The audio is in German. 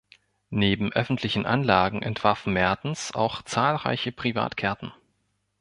Neben öffentlichen Anlagen entwarf Mertens auch zahlreiche Privatgärten.